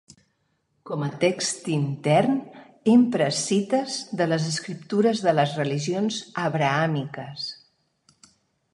Com a text intern, empra cites de les escriptures de les religions abrahàmiques.